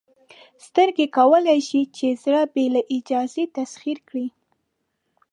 سترګې کولی شي چې زړه بې له اجازې تسخیر کړي.